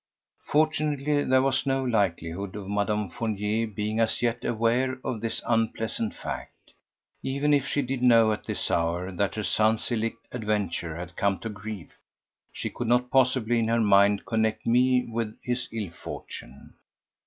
Fortunately there was no likelihood of Mme. Fournier being as yet aware of this unpleasant fact: even if she did know at this hour that her son's illicit adventure had come to grief, she could not possibly in her mind connect me with his ill fortune.